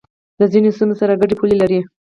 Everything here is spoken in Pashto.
له ځینو سیمو سره گډې پولې لري